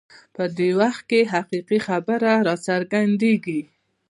په دې وخت کې یې حقیقي څېره راڅرګندېږي.